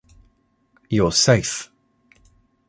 You’re safe.